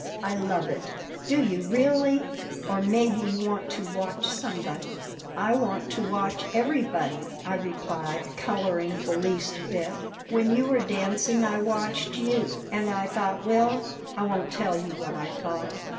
"I love it." "Do you really? Or maybe you want to watch somebody?" "I want to watch everybody," I replied, coloring the least bit. "When you were dancing I watched you, and I thought well, I won't tell you what I thought."